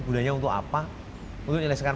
gunanya untuk apa untuk menyelesaikan